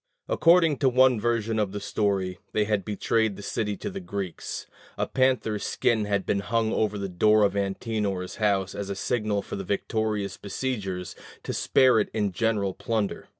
According to one version of the story they had betrayed the city to the Greeks: a panther's skin had been hung over the door of Antenor's house as a signal for the victorious besiegers to spare it in general plunder.